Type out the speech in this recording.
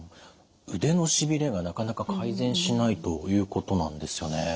腕のしびれがなかなか改善しないということなんですよね。